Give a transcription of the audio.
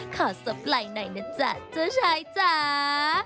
ขอสบไหล่หน่อยนะจ๊ะเจ้าชายจ๋า